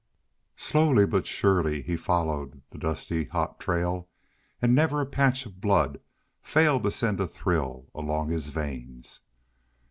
Slowly but surely he followed the dusty, hot trail, and never a patch of blood failed to send a thrill along his veins.